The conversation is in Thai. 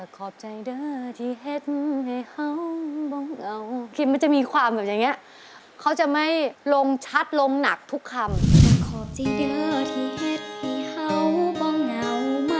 คิดมันจะมีความแบบอย่างเงี้ยเขาจะไม่ลงชัดลงหนักทุกคำ